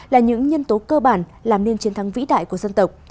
là những nhân tố cơ bản làm nên chiến thắng vĩ đại của dân tộc